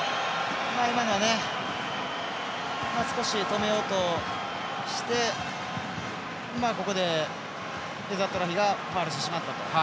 今のは少し止めようとしてここでエザトラヒがファウルしてしまったと。